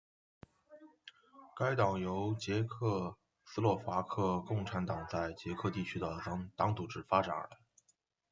该党由原捷克斯洛伐克共产党在捷克地区的党组织发展而来。